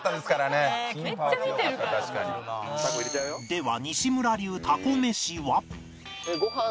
では西村流タコ飯は